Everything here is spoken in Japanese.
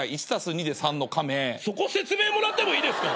そこ説明もらってもいいですか！？